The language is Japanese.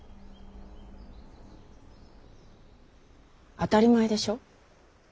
当たり前でしょう。